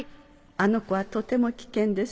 あの子はとても危険です。